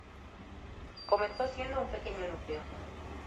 Comenzó siendo un pequeño núcleo.